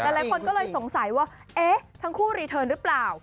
หลายคนก็เลยสงสัยว่าเอ๊ะทั้งคู่รีเทิร์นหรือเปล่า